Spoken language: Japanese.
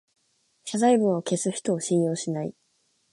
謝罪文を消す人を信用しない